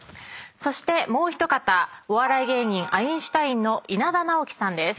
そしてもう一方お笑い芸人アインシュタインの稲田直樹さんです。